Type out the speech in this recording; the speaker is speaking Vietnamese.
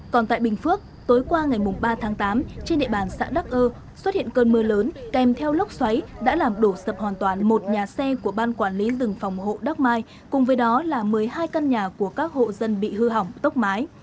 còn tại bình phước tối qua ngày ba tháng tám trên địa bàn xã đắc ơ xuất hiện cơn mưa lớn kèm theo lốc xoáy đã làm đổ sập hoàn toàn một nhà xe của ban quản lý rừng phòng hộ đắc mai cùng với đó là một mươi hai căn nhà của các hộ dân bị hư hỏng tốc mái